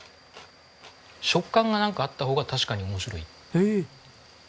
食感がなんかあった方が確かに面白い。